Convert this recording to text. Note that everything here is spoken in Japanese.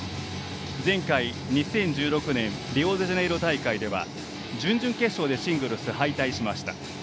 前回２０１６年リオデジャネイロ大会では準々決勝でシングルス敗退しました。